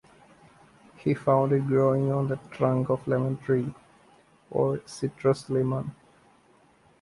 He found it growing on the trunk of lemon tree ("Citrus limon").